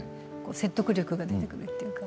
説得力が出てくるというか。